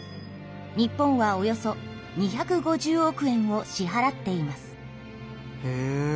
日本はおよそ２５０億円を支はらっています。